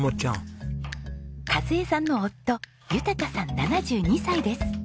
和枝さんの夫豊さん７２歳です。